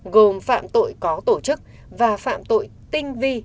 gồm phạm tội có tổ chức và phạm tội tinh vi